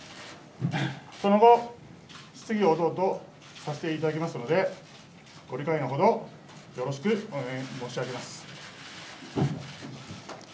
その後、質疑応答とさせていただきますので、ご理解のほど、よろしくお願い申し上げます。